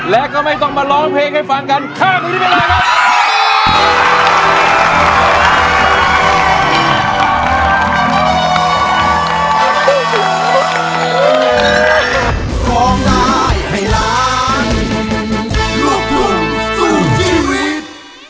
และก็ไม่ต้องมาร้องเพลงให้ฟังกันข้ามตรงนี้ไปเลยครับ